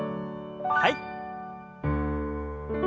はい。